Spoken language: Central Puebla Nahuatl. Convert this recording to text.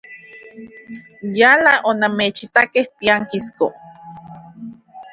Yala onannechitakej tiankisko.